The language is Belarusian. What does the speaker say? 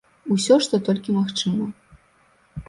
Усё, што толькі магчыма.